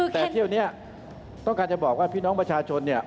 แต่เที่ยวนี้ต้องการจะบอกว่าพี่น้องประชาชนเนี่ย